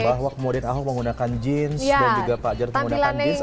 bahwa kemudian ahok menggunakan jeans dan juga pak jarod menggunakan jins